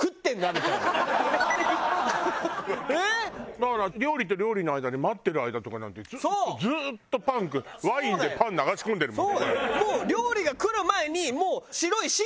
だから料理と料理の間で待ってる間とかなんてずーっとパンワインでパン流し込んでるもんこうやって。